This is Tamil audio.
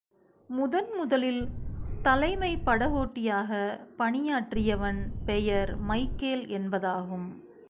முதன் முதலில் தலைமைப் படகோட்டியாகப் பணியாற்றியவன் பெயர் மைகேல் என்பதாகும்.